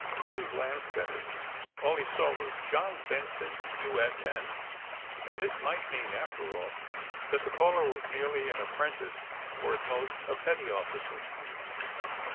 Krumm glanced at it. All he saw was, '' John Benson, U. S. N.," and this might mean, after all, that the caller was merely an apprentice or at most a petty officer.